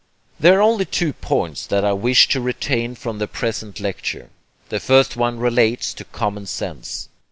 There are only two points that I wish you to retain from the present lecture. The first one relates to common sense.